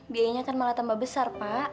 biayanya kan malah tambah besar pak